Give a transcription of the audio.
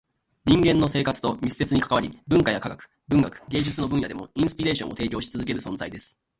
人間の生活と密接に関わり、文化や科学、文学、芸術の分野でもインスピレーションを提供し続ける存在です。